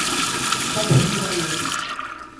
Taxi Driver